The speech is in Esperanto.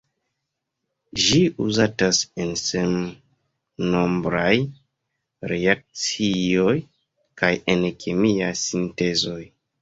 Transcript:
Ĝi uzatas en sennombraj reakcioj kaj en kemiaj sintezoj.